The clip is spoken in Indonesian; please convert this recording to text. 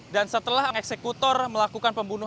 dan setelah eksekutor melakukan pembunuhan